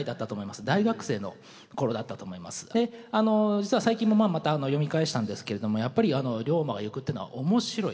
実は最近もまた読み返したんですけれどもやっぱり「竜馬がゆく」っていうのは面白い。